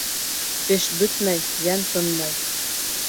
Эш бөтмәй йән тынмай.